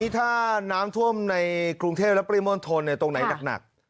ถ้าน้ำท่วมในกรุงเทพและปริมณฑลตรงไหนหนัก